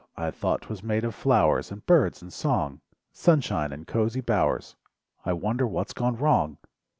I thought 'twas made of flowers And birds and song, Sunshine and cosy bowers! I wonder what's gone wrong!